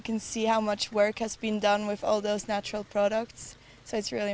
dan anda bisa lihat berapa banyak pekerjaan yang telah dilakukan dengan produk produk natural itu